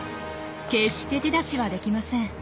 決して手出しはできません。